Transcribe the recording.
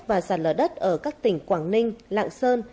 và sạt lở đất ở các tỉnh quảng ninh lạng sơn